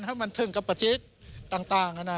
ถ้ามันถึงกับประธิกต่างอ่ะน่ะ